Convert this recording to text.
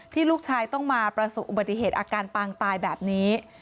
ลูกชายต้องมาประสบอุบัติเหตุอาการปางตายแบบนี้